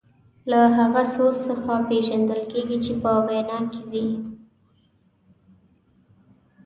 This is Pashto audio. له هغه سوز څخه پېژندل کیږي چې په وینا کې وي.